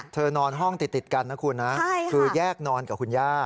นอนห้องติดกันนะคุณนะคือแยกนอนกับคุณย่า